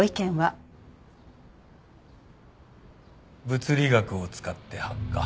物理学を使って発火。